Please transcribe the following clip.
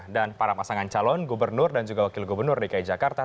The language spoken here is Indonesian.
dan para pasangan calon gubernur dan juga wakil gubernur dki jakarta